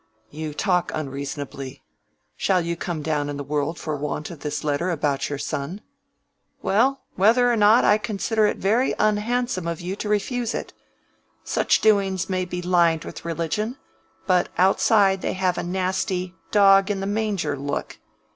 "You talk unreasonably. Shall you come down in the world for want of this letter about your son?" "Well, whether or not, I consider it very unhandsome of you to refuse it. Such doings may be lined with religion, but outside they have a nasty, dog in the manger look.